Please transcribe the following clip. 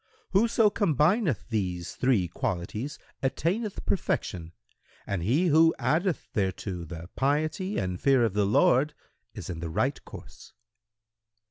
Whoso combineth these three qualities attaineth perfection, and he who addeth thereto the piety and fear of the Lord is in the right course."